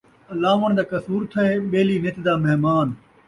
الاوݨ دا قصور تھئے، ٻیلی نت دا مہمان